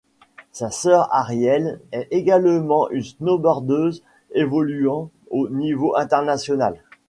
Sa sœur Arielle est également une snowboardeuse évoluant au niveau international.